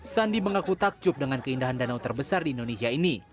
sandi mengaku takjub dengan keindahan danau terbesar di indonesia ini